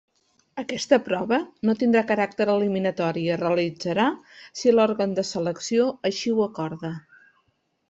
Aquesta prova no tindrà caràcter eliminatori i es realitzarà si l'òrgan de selecció així ho acorda.